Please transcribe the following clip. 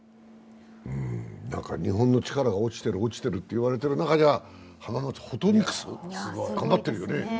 日本の力が落ちてる落ちてると言われている中じゃ浜松ホトニクスは頑張ってるよね。